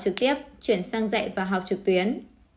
trực tiếp chuyển sang dạy và học trực tuyến